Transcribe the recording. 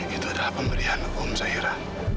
itu adalah pemberian om cairan